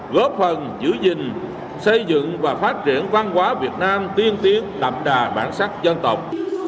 góp phần giữ gìn xây dựng và phát triển văn hóa việt nam tiên tiến đậm đà bản sắc dân tộc